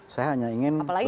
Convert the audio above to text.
saya hanya ingin kepergian